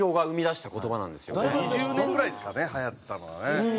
２０年ぐらいですかねはやったのはね。